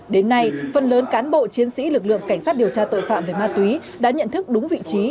đến nay phần lớn cán bộ chiến sĩ lực lượng cảnh sát điều tra tội phạm về ma túy đã nhận thức đúng vị trí